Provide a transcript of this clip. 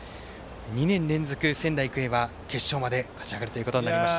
２年連続、仙台育英は決勝まで勝ち上がるということになりました。